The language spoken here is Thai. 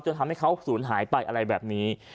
ทำให้เขาสูญหายไปอะไรแบบนี้